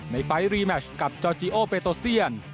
ไฟล์รีแมชกับจอร์จีโอเบโตเซียน